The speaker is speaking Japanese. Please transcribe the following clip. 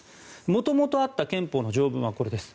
元々あった憲法の条文はこれです。